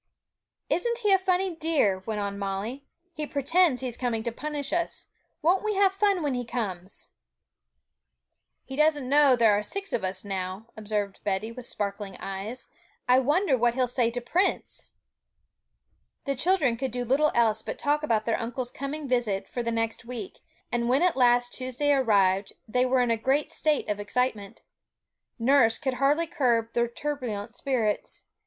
'Isn't he a funny dear?' went on Molly. 'He pretends he's coming to punish us! Won't we have fun when he comes!' 'He doesn't know there are six of us now,' observed Betty, with sparkling eyes; 'I wonder what he will say to Prince.' The children could do little else but talk about their uncle's coming visit for the next week; and when at last Tuesday arrived, they were in a great state of excitement. Nurse could hardly curb their turbulent spirits.